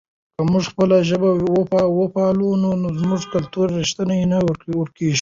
که موږ خپله ژبه وپالو نو زموږ کلتوري ریښې نه ورکېږي.